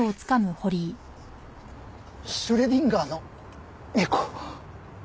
シュレディンガーの猫。